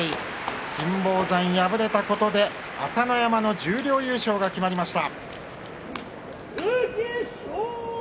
金峰山が敗れたことで朝乃山の十両優勝が決まりました。